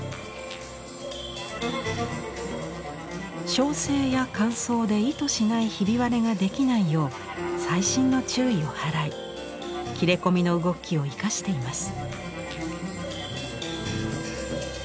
焼成や乾燥で意図しないひび割れができないよう細心の注意を払い切れ込みの動きを生かしています。